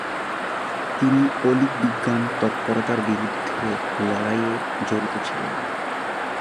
তিনি অলীক বিজ্ঞান তৎপরতার বিরুদ্ধে লড়াইয়ে জড়িত ছিলেন।